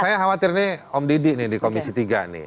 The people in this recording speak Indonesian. saya khawatir nih om didi nih di komisi tiga nih